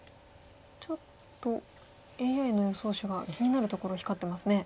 ちょっとＡＩの予想手が気になるところ光ってますね。